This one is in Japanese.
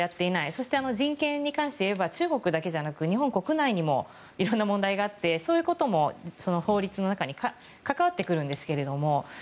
そして、人権に関して言えば中国だけじゃなく日本国内にもいろいろ問題があってそういうことも関わってくるんですけれども。